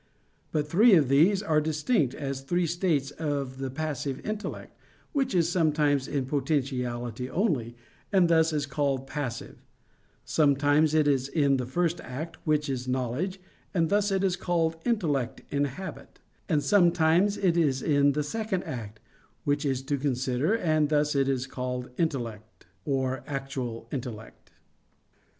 But three of these are distinct, as three states of the passive intellect, which is sometimes in potentiality only, and thus it is called passive; sometimes it is in the first act, which is knowledge, and thus it is called intellect in habit; and sometimes it is in the second act, which is to consider, and thus it is called intellect in act, or actual intellect.